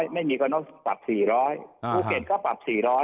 ไม่มีก็ต้องปรับ๔๐๐ภูเก็ตก็ปรับ๔๐๐